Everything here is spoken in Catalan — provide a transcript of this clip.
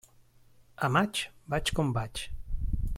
A maig, vaig com vaig.